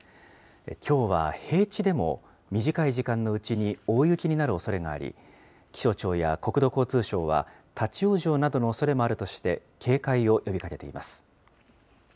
きょうは平地でも、短い時間のうちに大雪になるおそれがあり、気象庁や国土交通省は、立往生などのおそれもあるとして、警戒を呼びかけています。